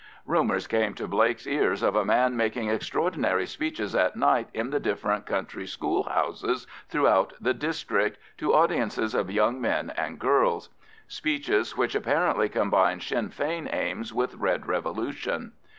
Rumours came to Blake's ears of a man making extraordinary speeches at night in the different country school houses throughout the district to audiences of young men and girls, speeches which apparently combined Sinn Fein aims with red revolution.